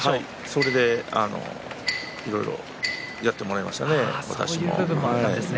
それでいろいろやってもらいましたね。